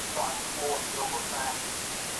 এ সমস্ত সেই বাঙালি ব্রাহ্মণের কাজ।